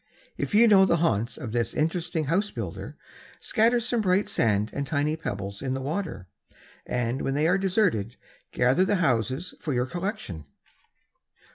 If you know the haunts of this interesting house builder, scatter some bright sand and tiny pebbles in the water, and when they are deserted, gather the houses for your collection.